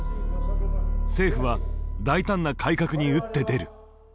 政府は大胆な改革に打って出る。